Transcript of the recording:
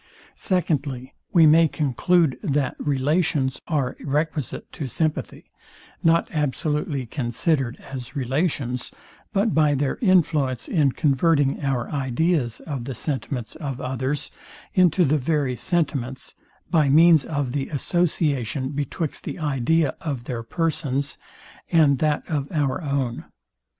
Secondly, We may conclude, that relations are requisite to sympathy, not absolutely considered as relations, but by their influence in converting our ideas of the sentiments of others into the very sentiments, by means of the association betwixt the idea of their persons, and that of our own.